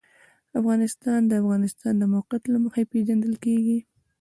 افغانستان د د افغانستان د موقعیت له مخې پېژندل کېږي.